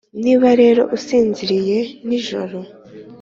niba rero usinziriye nijoro